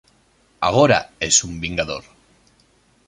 Agora es un Vingador.